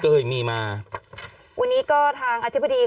กล้องกว้างอย่างเดียว